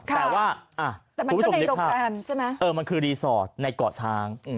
แต่ว่ามันคือรีสอร์ทในเกาะช้าง